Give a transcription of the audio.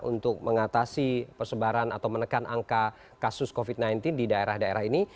untuk mengatasi persebaran atau menekan angka kasus covid sembilan belas di daerah daerah ini